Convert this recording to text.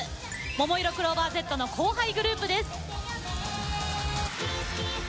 ももいろクローバーＺの後輩グループです。